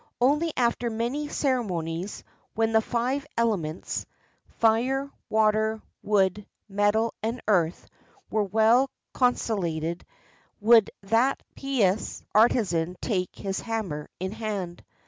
Only after many cere monies, when the five elements — fire, water, wood, metal, and earth — were well conciliated, would that pious artisan take his hammer in hand.